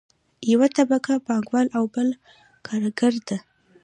یوه طبقه پانګوال او بله کارګره ده.